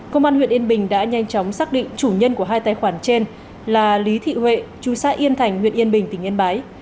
công an huyện yên bình đã nhanh chóng xác định chủ nhân của hai tài khoản trên là lý thị huệ chú xã yên thành huyện yên bình tỉnh yên bái